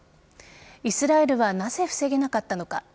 イスラエルはなぜ防げなかったのか。